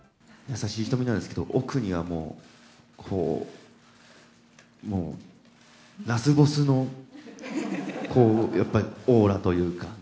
優しい瞳なんですけど、奥にはもう、もう、ラスボスのこう、やっぱりオーラというか。